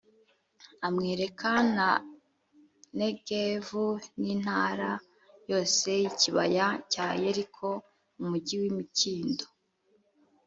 amwereka na negevu, n’intara yose y’ikibaya cya yeriko umugi w’imikindo,